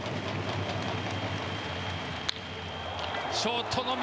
ショートの右。